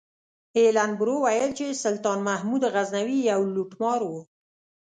ایلن برو ویل چې سلطان محمود غزنوي یو لوټمار و.